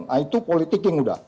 nah itu politik yang udah